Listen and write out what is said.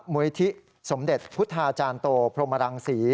มุยที่สมเด็จพุทธาจารย์โตพรหมรังศรี